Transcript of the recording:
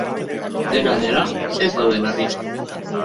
Dena dela, ez daude larri.